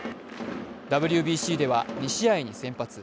ＷＢＣでは２試合に先発。